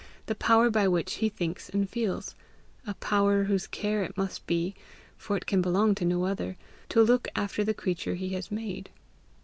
the power by which he thinks and feels, a power whose care it must be, for it can belong to no other, to look after the creature he has made.